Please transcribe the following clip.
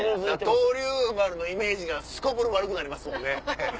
闘龍丸のイメージがすこぶる悪くなりますもんね。